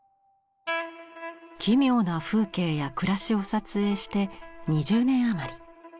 奇妙な風景や暮らしを撮影して２０年余り。